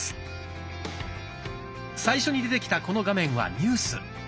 最初に出てきたこの画面は「ニュース」。